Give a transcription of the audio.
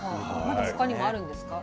まだ他にもあるんですか？